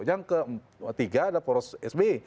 yang ketiga adalah poros sbi